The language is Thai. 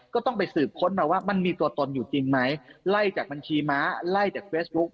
ก็ต้องไปสืบค้นมาว่ามันมีตัวตนอยู่จริงไหมไล่จากบัญชีม้าไล่จากเฟซบุ๊ค